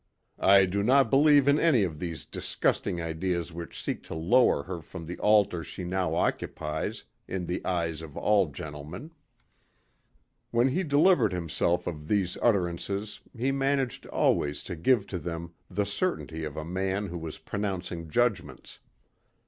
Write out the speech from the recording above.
I do not believe in any of these disgusting ideas which seek to lower her from the altar she now occupies in the eyes of all gentlemen." When he delivered himself of these utterances he managed always to give to them the certainty of a man who was pronouncing judgments.